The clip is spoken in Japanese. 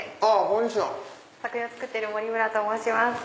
作品を作ってる森村と申します。